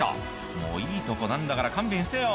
もういいとこなんだから勘弁してよ」